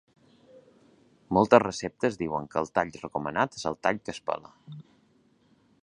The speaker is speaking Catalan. Moltes receptes diuen que el tall recomanat és el ‘tall que es pela’.